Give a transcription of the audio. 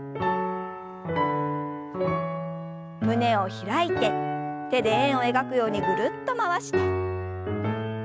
胸を開いて手で円を描くようにぐるっと回して。